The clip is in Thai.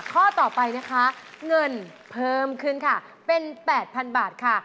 ข้อต่อไปนะคะเงินเพิ่มขึ้นค่ะเป็น๘๐๐๐บาทค่ะ